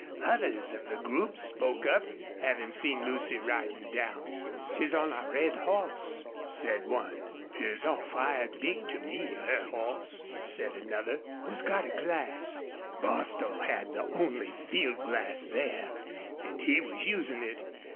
Others of the group spoke up, having seen Lucy riding down. "She's on a red hoss," said one. "'Pears all fired big to me her hoss," said another. "Who's got a glass?" Bostil had the only field glass there and he was using it.